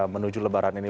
menuju lebaran ini